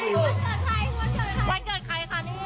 วันเกิดใครวันเกิดใครค่ะเนี้ย